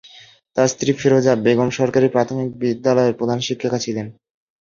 তার স্ত্রী ফিরোজা বেগম সরকারি প্রাথমিক বিদ্যালয়ের প্রধান শিক্ষিকা ছিলেন।